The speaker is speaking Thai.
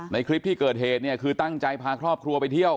ในคลิปที่เกิดเหตุเนี่ยคือตั้งใจพาครอบครัวไปเที่ยว